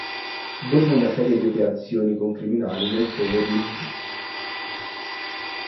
Dopo una serie di operazioni criminali nel covo di Mz.